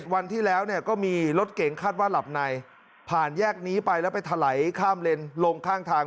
วันที่แล้วก็มีรถเก๋งคาดว่าหลับในผ่านแยกนี้ไปแล้วไปถลายข้ามเลนลงข้างทาง